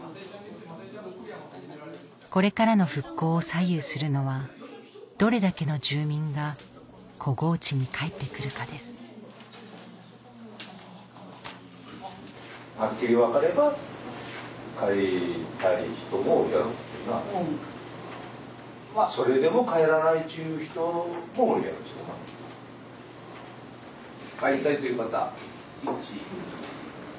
これからの復興を左右するのはどれだけの住民が小河内に帰って来るかです帰りたいという方１。